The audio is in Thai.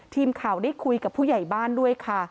ทีมข่าวได้คุยกับผู้ใหญ่บ้านด้วยค่ะ